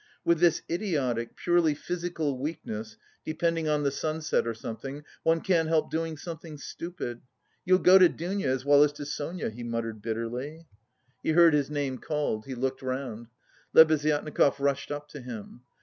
"With this idiotic, purely physical weakness, depending on the sunset or something, one can't help doing something stupid! You'll go to Dounia, as well as to Sonia," he muttered bitterly. He heard his name called. He looked round. Lebeziatnikov rushed up to him.